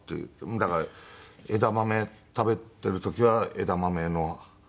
だから枝豆食べている時は枝豆の箸置き。